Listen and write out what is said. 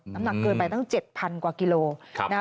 น้ำหนักเกินไปตั้ง๗๐๐กว่ากิโลนะคะ